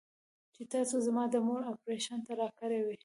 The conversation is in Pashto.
چې تاسو زما د مور اپرېشن ته راكړې وې.